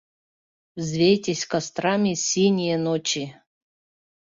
Взвейтесь кострами, синие ночи